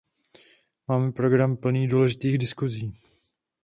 Máme program plný důležitých diskusí.